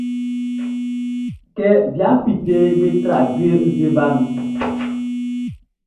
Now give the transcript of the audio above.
Kɛ wiaʼn fíteʼn, be tra jue nzue baʼn nun.